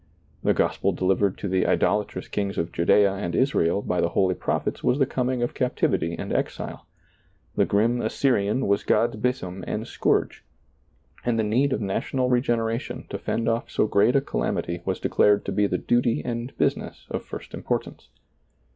The gospel delivered to the idolatrous kings of Judaea and Israel by the holy prophets was the coming of captivity and exile — the grim Assyrian was God's besom and scourge, and the need of national regeneration to fend off so great a calamity was declared to be the duty and business of first importance.